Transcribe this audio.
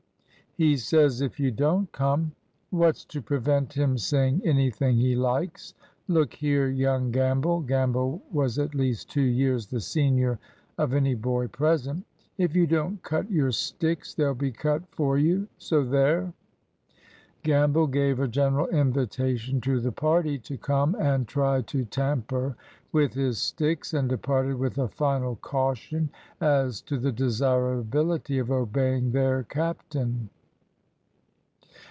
"He says if you don't come " "What's to prevent him saying anything he likes? Look here, young Gamble," (Gamble was at least two years the senior of any boy present), "if you don't cut your sticks, they'll be cut for you. So there." Gamble gave a general invitation to the party to come and try to tamper with his sticks, and departed with a final caution as to the desirability of obeying their captain.